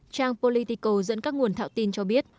trang politico dẫn các nguồn thạo tin cho biết